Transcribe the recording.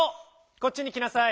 こっちにきなさい。